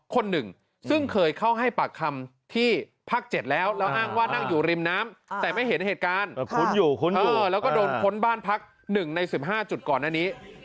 ค้นอยู่ค้นอยู่แล้วก็โดนค้นบ้านพัก๑ใน๑๕จุดก่อนอันนี้